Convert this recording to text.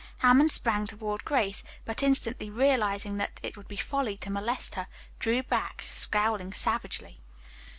Hammond sprang toward Grace, but instantly realizing that it would be folly to molest her, drew back, scowling savagely.